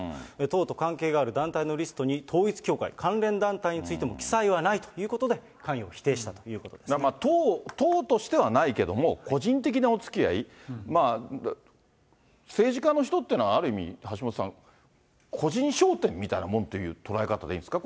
党と関係がある団体のリストに統一教会、関連団体についても記載はないということで、関与を否定したとい党としてはないけれども、個人的なおつきあい、政治家の人っていうのは、ある意味、橋下さん、個人商店みたいなもんという捉え方でいいですか？